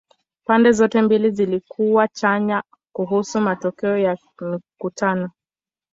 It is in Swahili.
Pande zote mbili zilikuwa chanya kuhusu matokeo ya mikutano.